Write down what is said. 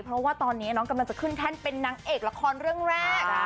เพราะว่าตอนนี้น้องกำลังจะขึ้นแท่นเป็นนางเอกละครเรื่องแรก